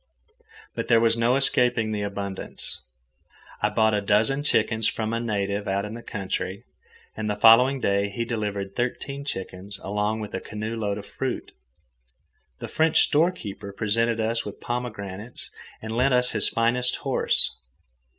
But there was no escaping the abundance. I bought a dozen chickens from a native out in the country, and the following day he delivered thirteen chickens along with a canoe load of fruit. The French storekeeper presented us with pomegranates and lent us his finest horse.